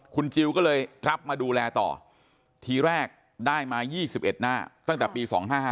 คุณจิลก็เลยรับมาดูแลต่อทีแรกได้มา๒๑หน้าตั้งแต่ปี๒๕๕